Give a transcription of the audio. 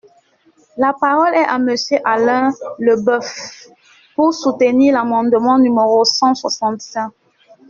La parole est à Monsieur Alain Leboeuf, pour soutenir l’amendement numéro cent soixante-cinq.